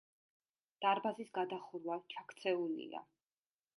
დარბაზის გადახურვა ჩაქცეულია.